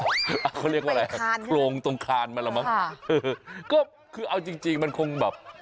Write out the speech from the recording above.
เขาเรียกว่าอะไรโครงตรงคลานมั้งหรือมั้งค่ะคือเอาจริงมันคงแบบ